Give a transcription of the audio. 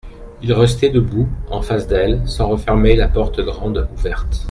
Il restait debout, en face d'elle, sans refermer la porte grande ouverte.